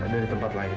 dari tempat lain